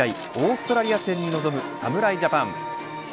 オーストラリア戦に臨む侍ジャパン。